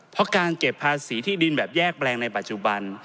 เพราะการเก็บภาษีที่ดินแบบแยกแปลงในปัจจุบัน